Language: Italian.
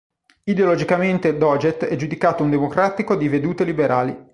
Ideologicamente Doggett è giudicato un democratico di vedute liberali.